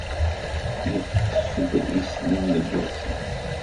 Yeṭṭef-d islem deg wasif.